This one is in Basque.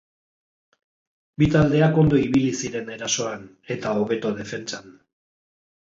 Bi taldeak ondo ibili ziren erasoan eta hobeto defentsan.